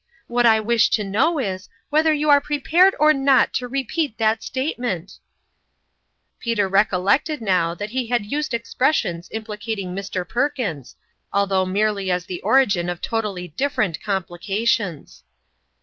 What I wish to know now is, whether you are prepared or not to repeat that statement ?" Peter recollected now that he had used ex pressions implicating Mr. Perkins although merely as the origin of totally different com plications.